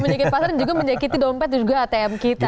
menjakiti pasar dan juga menjakiti dompet juga atm kita